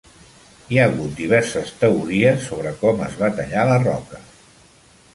Hi ha hagut diverses teories sobre com es va tallar la roca.